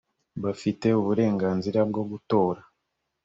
bafite uburenganzira bwo gutora